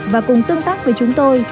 và cùng tương tác với chúng tôi